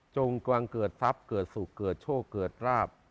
กวางเกิดทรัพย์เกิดสุขเกิดโชคเกิดราบ